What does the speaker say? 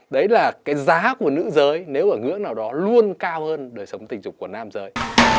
đấy là cái giá của nữ giới nếu ở ngưỡng nào đó luôn cao hơn đời sống tình dục của nam giới